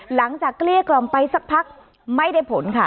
เกลี้ยกล่อมไปสักพักไม่ได้ผลค่ะ